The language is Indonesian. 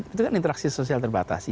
itu kan interaksi sosial terbatasi